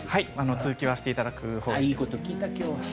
通気はしていただくほうがいいですね。